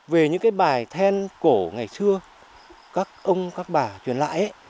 về những cái bài then cổ ngày xưa các ông các bà truyền lại ấy